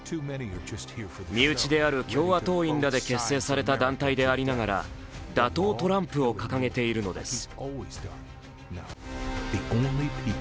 身内である共和党員らで結成された団体でありながら打倒トランプを掲げているのです。